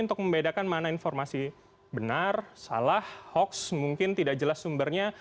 untuk membedakan mana informasi benar salah hoax mungkin tidak jelas sumbernya